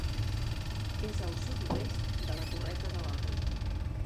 És al sud-oest de la Torreta de l'Orri.